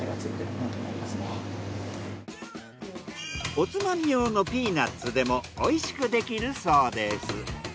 おつまみ用のピーナッツでもおいしくできるそうです。